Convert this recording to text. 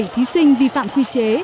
bảy mươi bảy thí sinh vi phạm quy chế